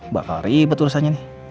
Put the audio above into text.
bakal ribet urusannya nih